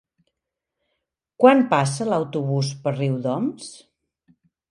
Quan passa l'autobús per Riudoms?